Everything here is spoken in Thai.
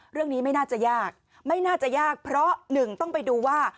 ไม่น่าจะยากไม่น่าจะยากเพราะหนึ่งต้องไปดูว่า